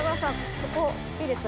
そこいいですか